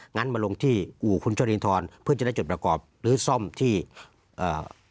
งั้นมาลงที่อู่คุณชรินทรเพื่อจะได้จุดประกอบหรือซ่อมที่เอ่อ